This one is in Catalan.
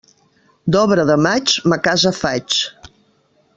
D'obra de maig, ma casa faig.